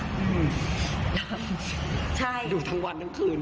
น้ำดูทั้งวันทั้งคืน